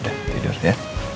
udah tidur ya